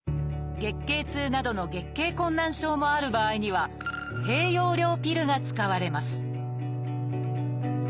月経痛などの月経困難症もある場合には低用量ピルが使われます